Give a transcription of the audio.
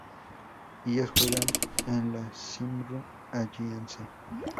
Ellos juegan en la Cymru Alliance.